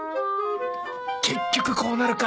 結局こうなるか！